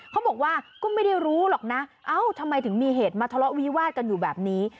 เขาบอกว่าก็ไม่ได้รู้หรอกนะเอ้าทำไมถึงมีเหตุมาทะเลาะวิวาดกันอยู่แบบนี้